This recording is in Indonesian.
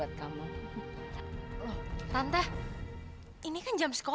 kok tante mary jadi aneh kayak gitu sih